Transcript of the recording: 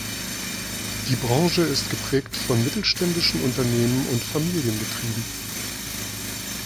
Die Branche ist geprägt von mittelständischen Unternehmen und Familienbetrieben.